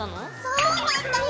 そうなんだよ。